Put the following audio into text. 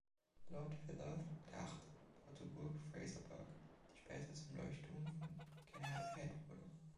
Lord Philorth der Achte baute Burg Fraserburgh, die später zum Leuchtturm von Kinnaird Head wurde.